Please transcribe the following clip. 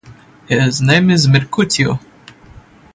His name is Mercutio.